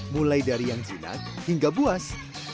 mulai dari yang jinak hingga buas